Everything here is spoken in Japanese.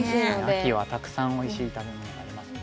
秋はたくさんおいしい食べ物がありますもんね。